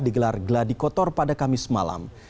digelar gladikotor pada kamis malam